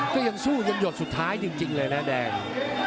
ก็ยังสู้จนหยดสุดท้ายจริงเลยนะแดง